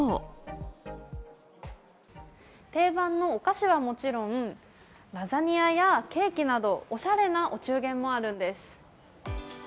定番のお菓子はもちろん、ラザニアやケーキなどおしゃれなお中元もあるんです。